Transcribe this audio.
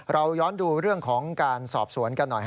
เราย้อนดูเรื่องของการสอบสวนกันหน่อย